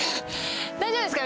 大丈夫ですか？